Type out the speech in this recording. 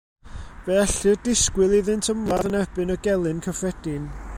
Fe ellir disgwyl iddynt ymladd yn erbyn y gelyn cyffredin.